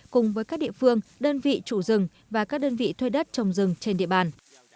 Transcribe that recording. cùng với các địa phương đơn vị chủ rừng và các đơn vị thuê đất trồng rừng trên địa bàn